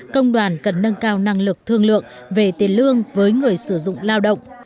công đoàn cần nâng cao năng lực thương lượng về tiền lương với người sử dụng lao động